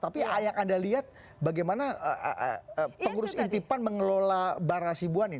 tapi ayak anda lihat bagaimana pengurus inti pan mengelola barra hasibuan ini